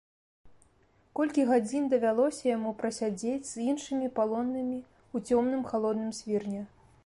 Колькі гадзін давялося яму прасядзець з іншымі палоннымі ў цёмным халодным свірне.